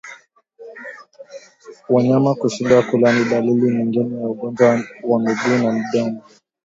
Wanyama kushindwa kula ni dalili nyingine ya ugonjwa wa miguu na midomo